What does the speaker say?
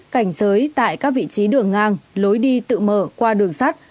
cảnh giới tại các vị trí đường ngang lối đi tự mở qua đường sắt